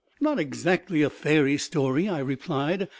"Not exactly a fairy story," I replied.